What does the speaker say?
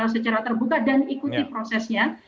secara terbuka dan ikuti prosesnya